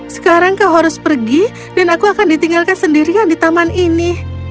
sekarang kau harus pergi dan aku akan ditinggalkan sendirian di taman ini